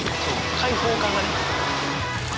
開放感がね。